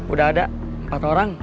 udah ada empat orang